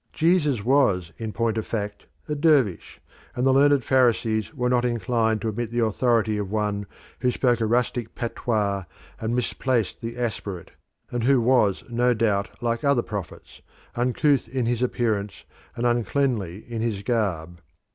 Jesus was, in point of fact, a dervish, and the learned Pharisees were not inclined to admit the authority of one who spoke a rustic patois and misplaced the aspirate, and who was no doubt, like other prophets, uncouth in his appearance and uncleanly in his garb.